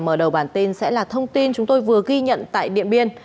mở đầu bản tin sẽ là thông tin chúng tôi vừa ghi nhận tại điện biên